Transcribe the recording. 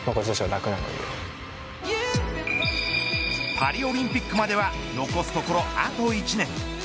パリオリンピックまでは残すところあと１年。